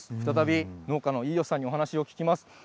再び、農家の飯吉さんにお話を聞きます。